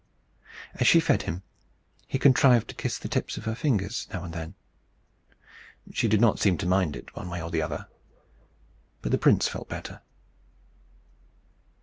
As she fed him, he contrived to kiss the tips of her fingers now and then. She did not seem to mind it, one way or the other. But the prince felt better.